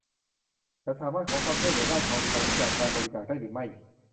ฉันสามารถขอความช่วยเหลือด้านของขวัญจากการบริจาคได้หรือไม่